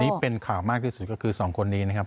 ที่เป็นข่าวมากที่สุดก็คือสองคนนี้นะครับ